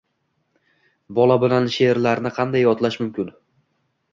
Bola bilan she'rlarni qanday yodlash mumkin?